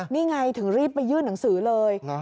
นี่ไงถึงรีบไปยื่นหนังสือเลย